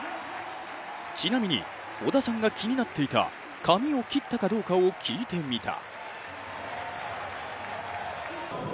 ちなみに、織田さんが気になっていた髪を切ったかどうかを聞いてみた。